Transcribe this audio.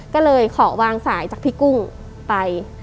ก็เลยขอวางสายจากพี่กุ้งไป